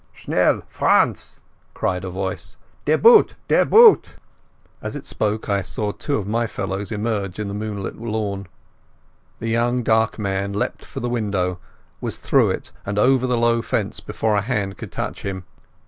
"Schnell, Franz,' cried a voice, "das Boot, das Boot!" As it spoke I saw two of my fellows emerge on the moonlit lawn. The young dark man leapt for the window, was through it, and over the low fence before a hand could touch him.